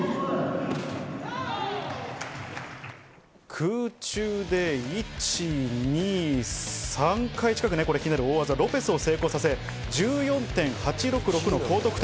空中で１、２、３回ひねる大技ロペスを成功させ、１４．８６６の高得点。